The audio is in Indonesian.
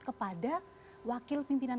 kepada wakil pimpinan